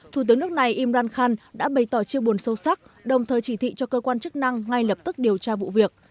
thủ tướng nước này imran khan đã bày tỏ chiêu buồn sâu sắc đồng thời chỉ thị cho cơ quan chức năng ngay lập tức điều tra vụ việc